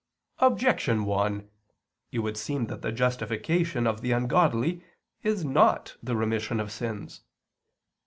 Objection 1: It would seem that the justification of the ungodly is not the remission of sins.